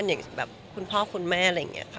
อย่างแบบคุณพ่อคุณแม่อะไรอย่างนี้ค่ะ